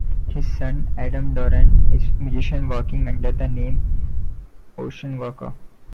His son, Adam Dorn, is a musician working under the name Mocean Worker.